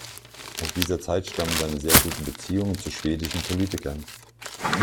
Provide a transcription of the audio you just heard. Aus dieser Zeit stammen seine sehr guten Beziehungen zu schwedischen Politikern.